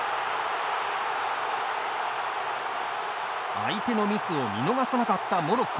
相手のミスを見逃さなかったモロッコ。